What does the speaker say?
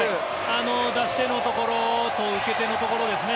出し手のところと受け手のところですね。